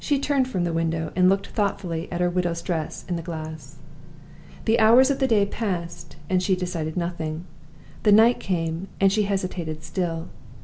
She turned from the window, and looked thoughtfully at her widow's dress in the glass. The hours of the day passed and she decided nothing. The night came and she hesitated still.